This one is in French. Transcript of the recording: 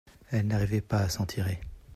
Elle n’arrivait pas à s’en tirer.